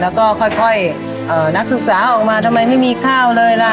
แล้วก็ค่อยนักศึกษาออกมาทำไมไม่มีข้าวเลยล่ะ